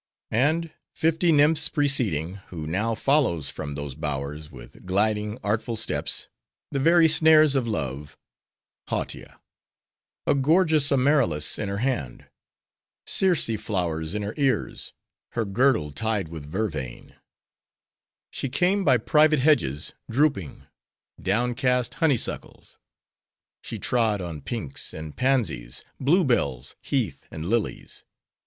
And, fifty nymphs preceding, who now follows from those bowers, with gliding, artful steps:—the very snares of love!—Hautia. A gorgeous amaryllis in her hand; Circe flowers in her ears; her girdle tied with vervain. She came by privet hedges, drooping; downcast honey suckles; she trod on pinks and pansies, blue bells, heath, and lilies.